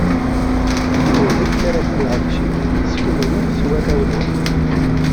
D nekk ara ken-iɛeggcen, s kenwi s warraw-nwen.